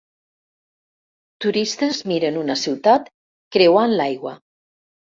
Turistes miren una ciutat creuant l'aigua.